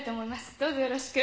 どうぞよろしく。